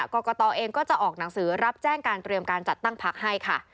กรกตเองก็จะออกหนังสือรับแจ้งการเตรียมการจัดตั้งพักให้ค่ะ